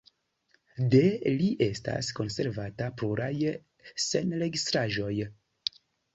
De li estas konservata pluraj sonregistraĵoj.